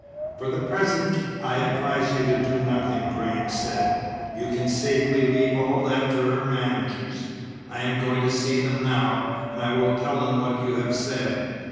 "For the present I advise you to do nothing," Graham said. "You can safely leave all that to her managers. I am going to see them now. I will tell them what you have said."